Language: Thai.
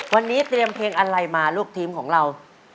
วันนี้เตรียมเพลงอะไรมาลูกทีมของเรา